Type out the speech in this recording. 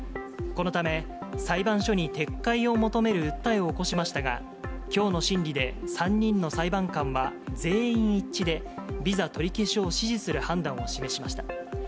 このため、裁判所に撤回を求める訴えを起こしましたが、きょうの審理で３人の裁判官は全員一致で、ビザ取り消しを支持する判断を示しました。